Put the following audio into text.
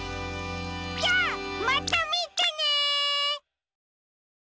じゃあまたみてね！